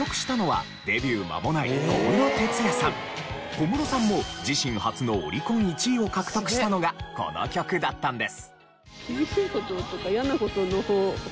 小室さんも自身初のオリコン１位を獲得したのがこの曲だったんです。